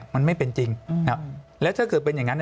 มันไม่เป็นจริงแล้วถ้าเกิดเป็นอย่างนั้น